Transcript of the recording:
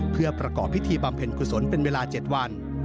เพื่อประกอบพิธีบำเพ็ญกุศลเป็นเวลา๗วัน